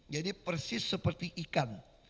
jadi persis seperti ikan